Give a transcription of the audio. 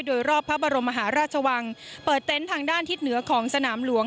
โดยรอบพระบรมมหาราชวังเปิดเต็นต์ทางด้านทิศเหนือของสนามหลวง